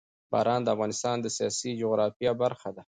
باران د افغانستان د سیاسي جغرافیه برخه ده.